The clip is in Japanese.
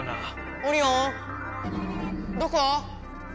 オリオンどこ？